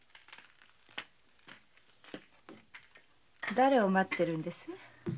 だれを待ってるんです？